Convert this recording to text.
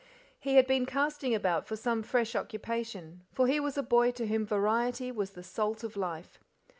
He had been casting about for some fresh occupation, far he was a boy to whom variety was the salt of life.